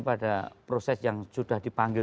pada proses yang sudah dipanggil